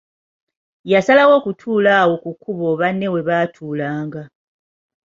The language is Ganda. Yasalawo okutuula awo ku kkubo banne we baatuulanga.